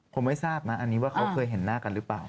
ผมไม่ทราบนะอันนี้ว่าเขาเคยเห็นหน้ากันหรือเปล่า